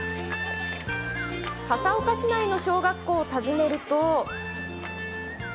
笠岡市内の小学校を訪ねると。